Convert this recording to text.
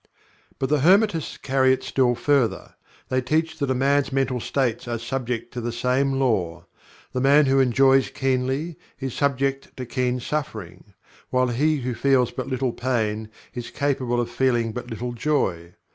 But the Hermetists carry it still further. They teach that a man's mental states are subject to the same Law. The man who enjoys keenly, is subject to keen suffering; while he who feels but little pain is capable of feeling but little joy.